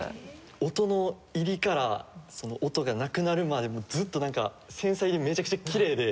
音の入りから音がなくなるまでずっと繊細でめちゃくちゃきれいで。